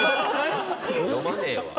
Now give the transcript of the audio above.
読まねえわ！